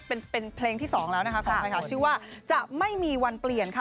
เป็นเพลงที่๒แล้วนะคะของเค้าชื่อว่าจะไม่มีวันเปลี่ยนค่ะ